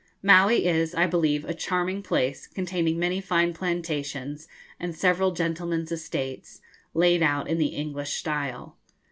Maui is, I believe, a charming place, containing many fine plantations, and several gentlemen's estates, laid out in the English style.